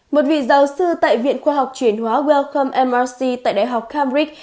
một vị giáo sư tại viện khoa học chuyển hóa wellcome mrc tại đại học cambridge